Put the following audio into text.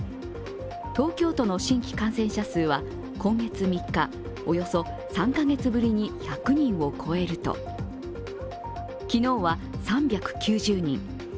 東京都の新規感染者数はこんげつ３日、およそ３カ月ぶりに１００人を超えると、昨日は３９０人。